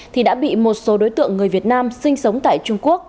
thì đã bị một số đối tượng người việt nam sinh sống tại trung quốc